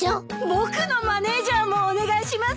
僕のマネジャーもお願いします。